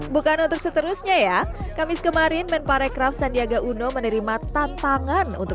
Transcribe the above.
bukan untuk seterusnya ya kamis kemarin men para ekraf sandiaga uno menerima tantangan untuk